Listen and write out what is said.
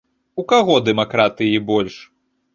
У каго дэмакратыі больш?